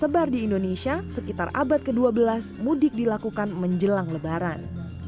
sebar di indonesia sekitar abad ke dua belas mudik dilakukan menjelang lebaran